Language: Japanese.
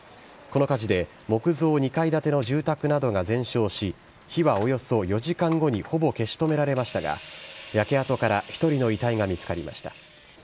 この火事で木造２階建ての住宅などが全焼し、火はおよそ４時間後にほぼ消し止められましたが、焼け跡から１人の遺体が見つかりました。